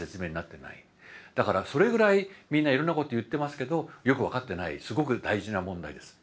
だからそれぐらいみんないろんなこと言ってますけどよく分かってないすごく大事な問題です。